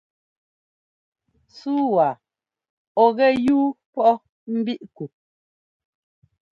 Súu waa ɔ̂ gɛ yúu pɔʼ mbíʼ ku?